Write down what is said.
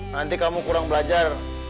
nanti kamu kurang belajar